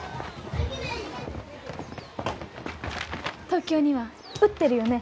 東京には売ってるよね